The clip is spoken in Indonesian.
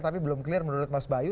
tapi belum clear menurut mas bayu